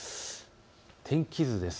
天気図です。